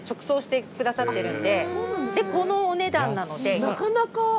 でこのお値段なので。